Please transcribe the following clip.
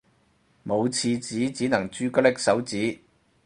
冇廁紙只能朱古力手指